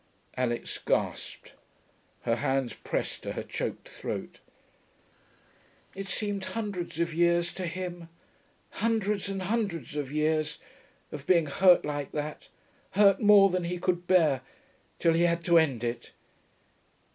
Alix gasped, her hands pressed to her choked throat, 'It seemed hundreds of years, to him. Hundreds and hundreds of years, of being hurt like that, hurt more than he could bear, till he had to end it....